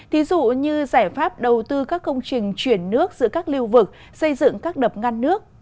thí dụ như giải pháp đầu tư các công trình chuyển nước giữa các lưu vực xây dựng các đập ngăn nước